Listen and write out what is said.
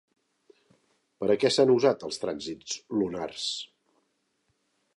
Per a què s'han usat els trànsits lunars?